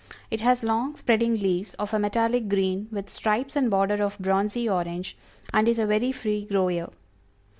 It has long, spreading leaves, of a metallic green, with stripes and border of bronzy orange, and is a very free grower.